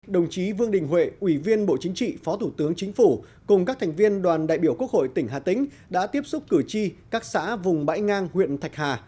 đồng chí vương đình huệ ủy viên bộ chính trị phó thủ tướng chính phủ cùng các thành viên đoàn đại biểu quốc hội tỉnh hà tĩnh đã tiếp xúc cử tri các xã vùng bãi ngang huyện thạch hà